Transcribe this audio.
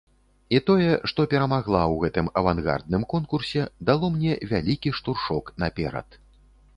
І тое, што перамагла ў гэтым авангардным конкурсе, дало мне вялікі штуршок наперад.